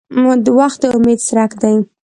• وخت د امید څرک دی.